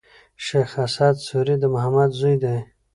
شېخ اسعد سوري د محمد زوی دﺉ.